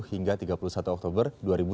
hingga tiga puluh satu oktober dua ribu dua puluh